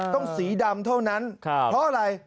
สีดำเท่านั้นเพราะอะไร